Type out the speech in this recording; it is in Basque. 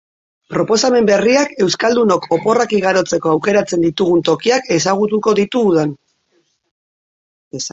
Proposamen berriak euskaldunok oporrak igarotzeko aukeratzen ditugun tokiak ezagutuko ditu udan.